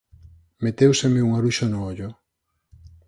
Metéuseme un aruxo nun ollo.